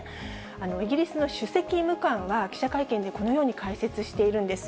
イギリスの首席医務官は、記者会見でこのように解説しているんです。